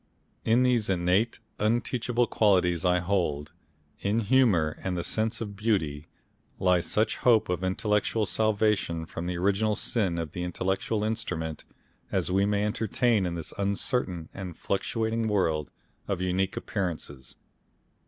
In these innate, unteachable qualities I hold in humour and the sense of beauty lies such hope of intellectual salvation from the original sin of our intellectual instrument as we may entertain in this uncertain and fluctuating world of unique appearances....